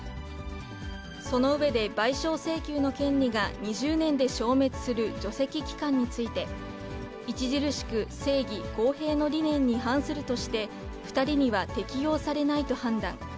その上で、賠償請求の権利が２０年で消滅する除斥期間について、著しく正義・公平の理念に反するとして、２人には適用されないと判断。